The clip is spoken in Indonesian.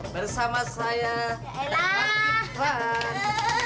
bersama saya elal irfan